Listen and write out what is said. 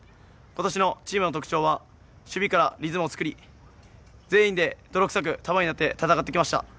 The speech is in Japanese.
今年のチームの特徴は守備からリズムを作り、全員で泥臭く束になって戦ってきました。